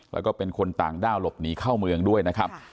แล้วก็เป็นคนต่างด้าวหลบหนีเข้าเมืองด้วยนะครับ